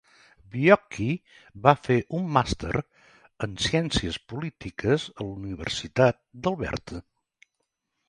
Biocchi va fer un màster en ciències polítiques a la Universitat d'Alberta.